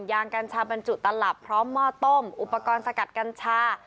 กัญชาบรรจุตลับพร้อมหม้อต้มอุปกรณ์สกัดกัญชา